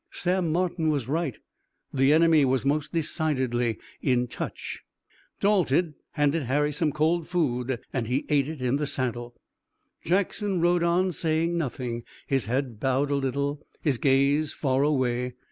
Sam Martin was right. The enemy was most decidedly "in touch." Dalton handed Harry some cold food and he ate it in the saddle. Jackson rode on saying nothing, his head bowed a little, his gaze far away.